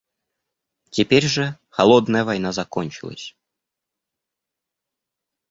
Теперь же «холодная война» закончилась.